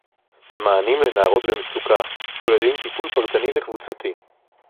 המענים לנערות במצוקה כוללים טיפול פרטני וקבוצתי